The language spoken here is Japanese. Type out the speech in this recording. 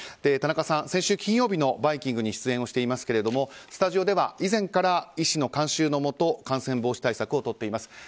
田中さん、先週金曜日の「バイキング」に出演していますがスタジオでは以前から医師の監修のもと感染防止対策をとっています。